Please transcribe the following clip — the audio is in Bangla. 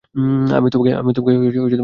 আমি তোমাকে চই বলে ডাকি?